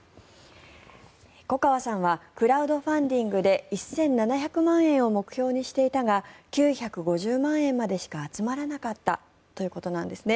粉川さんはクラウドファンディングで１７００万円を目標にしていたが９５０万円までしか集まらなかったということなんですね。